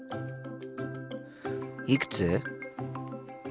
いくつ？